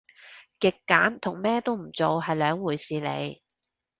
極簡同咩都唔做係兩回事嚟